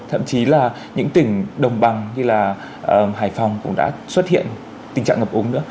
thậm chí là những tỉnh đồng bằng như là hải phòng cũng đã xuất hiện tình trạng ngập úng nữa